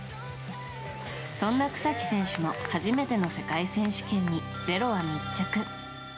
そんな草木選手の初めての世界選手権に「ｚｅｒｏ」は密着。